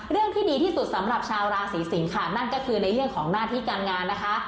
เรื่องที่ดีที่สุดสำหรับชาวราศีสิงค่ะนั่นก็คือในเรื่องของหน้าที่การงานนะคะ